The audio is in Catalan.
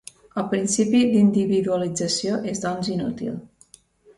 El principi d'individuació és doncs inútil.